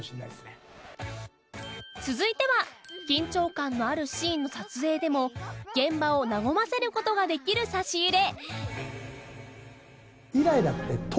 続いては緊張感のあるシーンの撮影でも現場を和ませる事ができる差し入れ